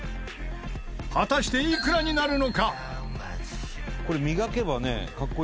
果たしていくらになるのか？